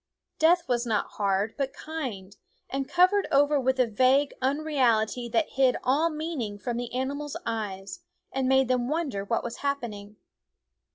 Death was not hard, but kind, THE WOODS and covered over with a vague unreality that hid all meaning from the animals' eyes and made them wonder w r hat was happening.